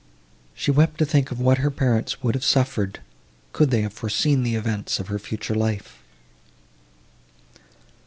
She wept to think of what her parents would have suffered, could they have foreseen the events of her future life.